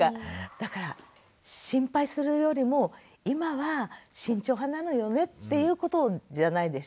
だから心配するよりも今は慎重派なのよねっていうことじゃないでしょうかね。